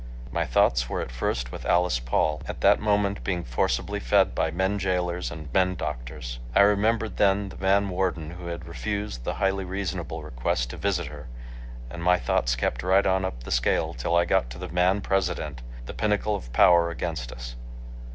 My thoughts were at first with Alice Paul, at that moment being forcibly fed by men jailers and men doctors. I remembered then the man warden who had refused the highly reasonable request to visit her, and my thoughts kept right on up the scale till I got to the man President—the pinnacle of power against us.